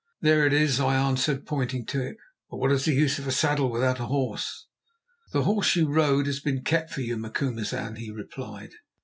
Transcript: "There it is," I answered, pointing to it; "but what is the use of a saddle without a horse?" "The horse you rode has been kept for you, Macumazahn," he replied.